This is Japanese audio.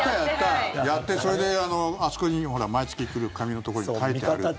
やって、それであそこにほら、毎月来る紙のところに書いてあるって。